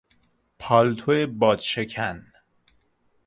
پالتو بادشکن